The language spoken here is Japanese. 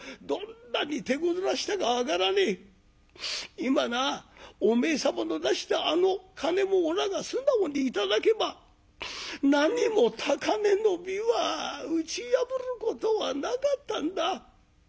今なお前様の出したあの金をおらが素直に頂けば何も高嶺の琵琶打ち破ることはなかったんだ。